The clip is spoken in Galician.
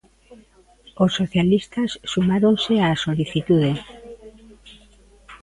Os socialistas sumáronse á solicitude.